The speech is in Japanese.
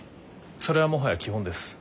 それはもはや基本です。